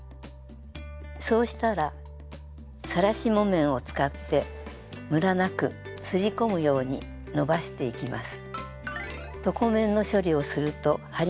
そうしたらさらし木綿を使ってむらなくすり込むように伸ばしていきます。